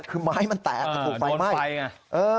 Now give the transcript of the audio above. คือไม้มันแตกถูกไฟไหม้โดนไฟ